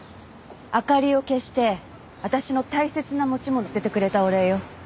明かりを消して私の大切な持ち物捨ててくれたお礼よ。